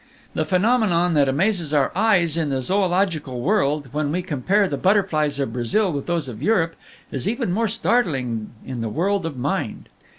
The phenomenon that amazes our eyes in the zoological world when we compare the butterflies of Brazil with those of Europe, is even more startling in the world of Mind.